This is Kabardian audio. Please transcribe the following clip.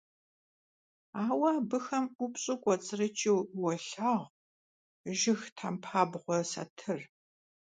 Aue abıxem 'Upş'u k'uets'rıç'ıu vuolhağu jjıg thempabğue satır.